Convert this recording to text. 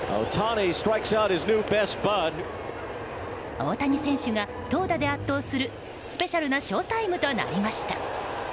大谷選手が投打で圧倒するスペシャルなショウタイムとなりました。